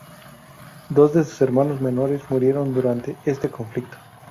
Dos de sus hermanos menores murieron durante este conflicto.